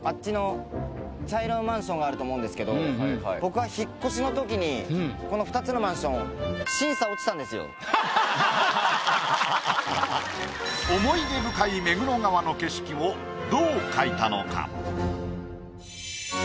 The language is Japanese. あっちのこの２つのマンション思い出深い目黒川の景色をどう描いたのか？